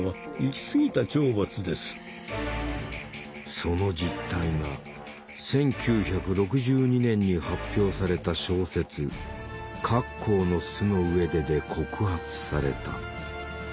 その実態が１９６２年に発表された小説「カッコーの巣の上で」で告発された。